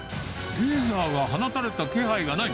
レーザーが放たれた気配がない。